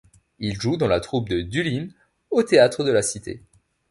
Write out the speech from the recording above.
Il joue dans la troupe de Dullin au théâtre de la Cité.